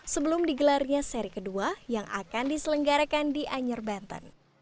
sebelum digelarnya seri kedua yang akan diselenggarakan di anyer banten